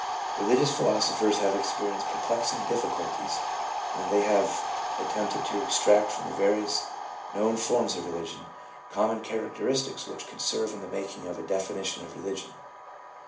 Eeligious philosophers have experienced perplexing difficulties when they have attempted to extract from the various known forms of religion, common characteristics which could serve in the making of a definition of Eeligion.